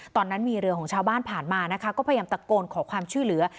ตอนนั้นมีเรือของชาวบ้านผ่านมานะคะก็พยายามตะโกนขอความช่วยเหลือ